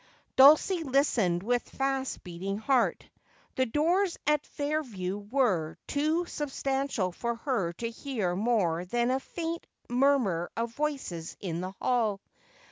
Dulcie listened with fast beating heart. The doors at Fair view were too substantial for her to hear more than a faint murmur of voices in the hall.